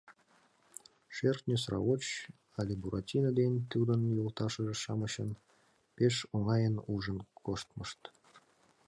— «Шӧртньӧ сравоч, але Буратино ден тудын йолташыже-шамычын пеш оҥайын ужын-коштмышт».